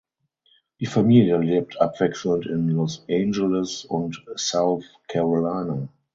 Die Familie lebt abwechselnd in Los Angeles und South Carolina.